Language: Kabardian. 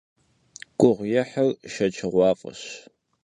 Guğuêhır şşeçığuaf'eş.